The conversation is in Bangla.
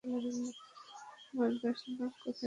আমরা দশ লাখ কোথায় পাব?